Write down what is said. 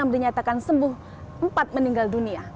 empat puluh enam dinyatakan sembuh empat meninggal dunia